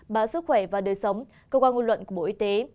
bản sức khỏe và đời sống cơ quan nguồn luận của bộ y tế